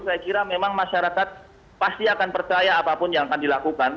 saya kira memang masyarakat pasti akan percaya apapun yang akan dilakukan